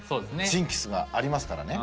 ジンクスがありますからね。